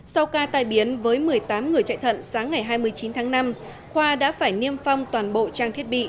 sau ca tai biến với một mươi tám người chạy thận sáng ngày hai mươi chín tháng năm khoa đã phải niêm phong toàn bộ trang thiết bị